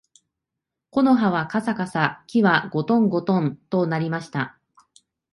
木の葉はかさかさ、木はごとんごとんと鳴りました